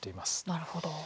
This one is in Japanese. なるほど。